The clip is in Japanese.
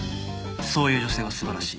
そういう女性は素晴らしい。